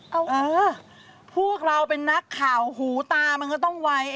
เอาพวกเราเป็นนักข่าวหูตามันก็ต้องไว